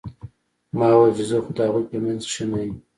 ما وويل چې زه خو د هغوى په منځ کښې نه وم.